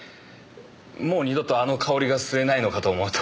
もう二度とあの香りが吸えないのかと思うと。